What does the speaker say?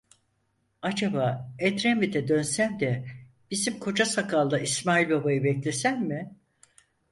Acaba Edremit'e dönsem de bizim koca sakallı İsmail Baba'yı beklesem mi?